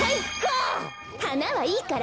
はなはいいから。